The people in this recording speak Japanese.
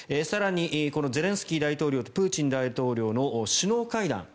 更に、ゼレンスキー大統領とプーチン大統領の首脳会談。